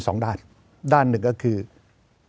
จะพิจารณาคม